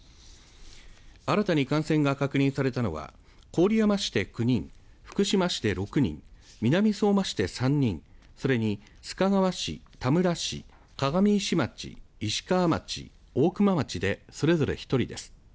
新たに感染が確認されたのは郡山市で９人福島市で６人南相馬市で３人それに、須賀川市、田村市鏡石町、石川町大熊町でそれぞれ１人です。